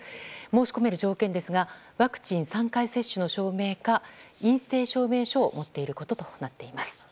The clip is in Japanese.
申し込める条件ですがワクチン３回接種の証明か陰性証明書を持っていることとなっています。